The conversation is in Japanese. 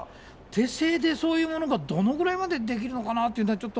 手製でそういうものがどのぐらいできるのかなっていうのは。